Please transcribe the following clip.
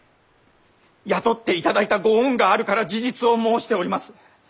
雇っていただいたご恩があるから事実を申しております。